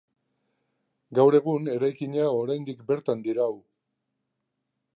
Gaur egun eraikina oraindik bertan dirau.